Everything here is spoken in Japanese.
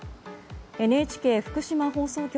ＮＨＫ福島放送局